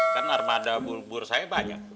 kan armada bulbur saya banyak